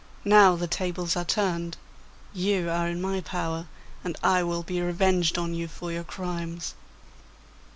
Now the tables are turned; you are in my power, and I will be revenged on you for your crimes.